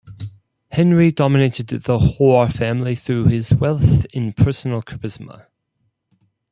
Henry dominated the Hoare family through his wealth and personal charisma.